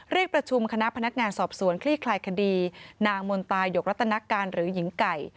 เรียกประชุมคณะพนักงานสอบสวนคลี่คลายคดีนางมนตายกรัตนการหรือหญิงไก่